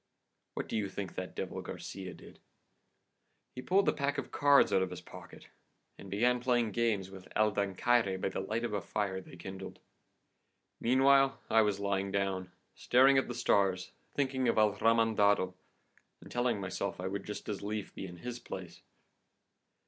What do you think that devil Garcia did? He pulled a pack of cards out of his pocket and began playing games with El Dancaire by the light of a fire they kindled. Meanwhile I was lying down, staring at the stars, thinking of El Remendado, and telling myself I would just as lief be in his place.